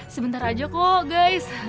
sebentar aja kok guys